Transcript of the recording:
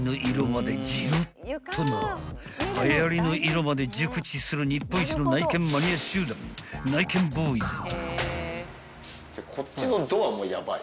［はやりの色まで熟知する日本一の内見マニア集団内見ボーイズ］